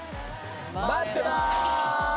まってます！